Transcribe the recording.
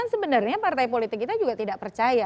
jangan jangan sebenarnya partai politik kita juga tidak percaya